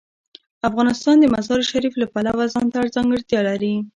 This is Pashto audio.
افغانستان د مزارشریف د پلوه ځانته ځانګړتیا لري.